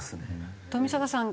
冨坂さん